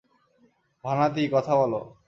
ভানাতি, কথা বলো।